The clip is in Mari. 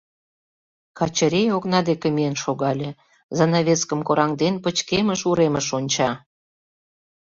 Качырий окна деке миен шогале, занавескым кораҥден, пычкемыш уремыш онча.